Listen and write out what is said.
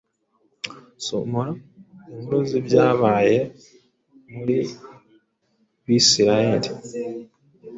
soma inkuru z’ibyabaye muri Bisirayeli